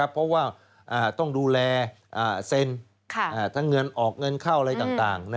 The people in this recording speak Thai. เพราะว่าต้องดูแลเซ็นทั้งเงินออกเงินเข้าอะไรต่าง